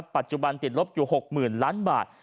ปัจจุบันติดลบอยู่๖๐๐๐ล้านบาท